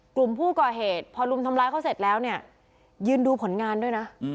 กลุ่มผู้ก่อเหตุพอรุมทำร้ายเขาเสร็จแล้วเนี่ยยืนดูผลงานด้วยนะ